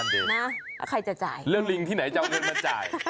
แล้วใครจะจ่ายเลือกลิงที่ไหนเจ้าเงินมันจ่าย